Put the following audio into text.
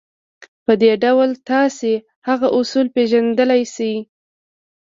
په دې ډول تاسې هغه اصول پېژندلای شئ.